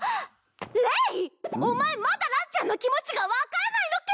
レイ！お前まだランちゃんの気持ちが分かんないのけ！？